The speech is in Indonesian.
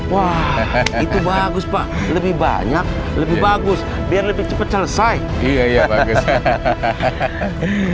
wah itu bagus pak lebih banyak lebih bagus biar lebih cepat selesai